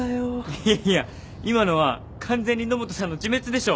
いやいや今のは完全に野本さんの自滅でしょ！